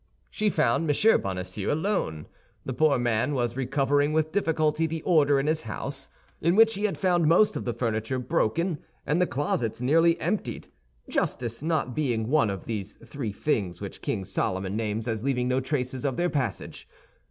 She found M. Bonacieux alone; the poor man was recovering with difficulty the order in his house, in which he had found most of the furniture broken and the closets nearly emptied—justice not being one of the three things which King Solomon names as leaving no traces of their passage.